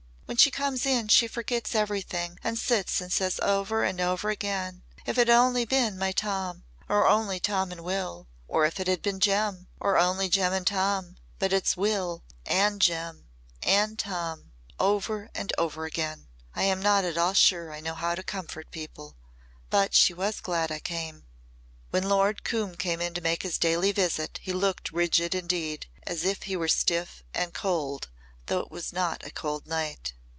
When she comes in she forgets everything and sits and says over and over again, 'If it had only been Tom or only Tom and Will or if it had been Jem or only Jem and Tom but it's Will and Jem and Tom,' over and over again. I am not at all sure I know how to comfort people. But she was glad I came." When Lord Coombe came in to make his daily visit he looked rigid indeed as if he were stiff and cold though it was not a cold night.